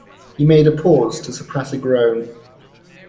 He made a pause to suppress a groan.